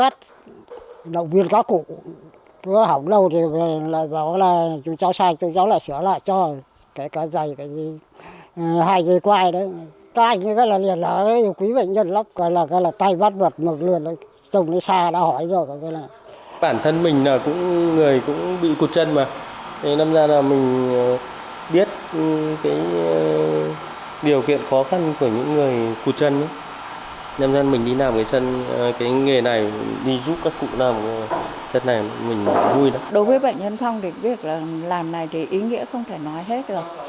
trong việc làm này thì ý nghĩa không thể nói hết được